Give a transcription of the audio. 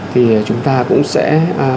thì chúng ta cũng sẽ